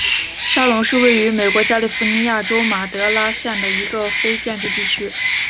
沙龙是位于美国加利福尼亚州马德拉县的一个非建制地区。